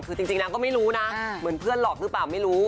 คือจริงนางก็ไม่รู้นะเหมือนเพื่อนหลอกหรือเปล่าไม่รู้